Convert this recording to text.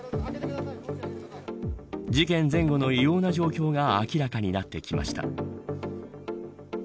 事件前後の異様な状況が明らかになってきました。